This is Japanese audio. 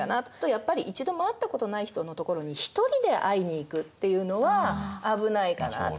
やっぱり一度も会ったことない人のところに一人で会いにいくっていうのは危ないかな。